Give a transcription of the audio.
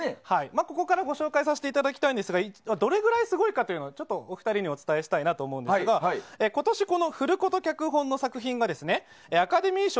ここからご紹介させていただきたいんですがどれぐらいすごいかというのをお二人にお伝えしたいなと思うんですが今年、このフルコト脚本の作品がアカデミー賞